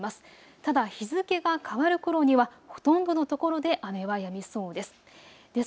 ただ、日付が変わるころにはほとんどのところで雨はやみそうです。